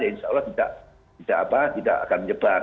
insya allah tidak akan menyebar